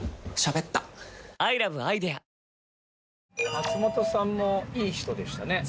松本さんもいい人でしたね